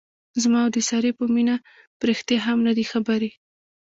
زما او د سارې په مینه پریښتې هم نه دي خبرې.